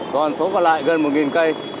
còn số còn lại gần một cây